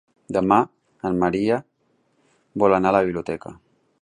Demà en Maria vol anar a la biblioteca.